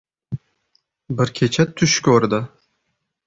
Bir kecha tush ko‘rdi